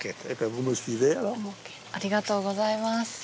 ありがとうございます。